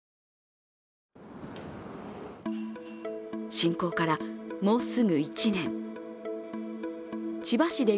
侵攻からもうすぐ１年。